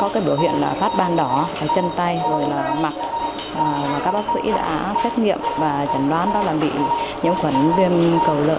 có biểu hiện phát ban đỏ ở chân tay mặt các bác sĩ đã xét nghiệm và chẩn đoán là bị nhiễm khuẩn viêm cầu lợn